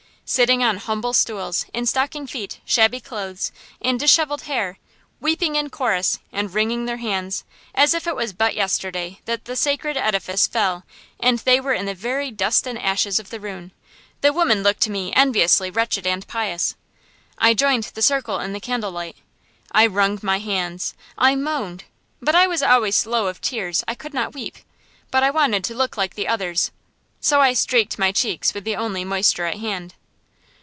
Sitting on humble stools, in stocking feet, shabby clothes, and dishevelled hair, weeping in chorus, and wringing their hands, as if it was but yesterday that the sacred edifice fell and they were in the very dust and ashes of the ruin, the women looked to me enviously wretched and pious. I joined the circle in the candlelight. I wrung my hands, I moaned; but I was always slow of tears I could not weep. But I wanted to look like the others. So I streaked my cheeks with the only moisture at hand.